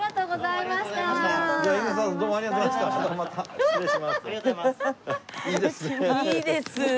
いいですね。